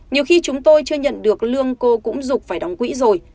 nhiều khi chúng tôi chưa nhận được lương cô cũng dục phải đóng quỹ rồi